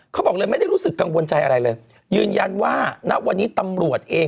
เขาบอกเลยไม่ได้รู้สึกกังวลใจอะไรเลยยืนยันว่าณวันนี้ตำรวจเอง